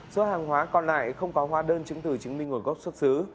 số hàng hóa còn lại không có hóa đơn chứng tử chứng minh ngồi gốc xuất xứ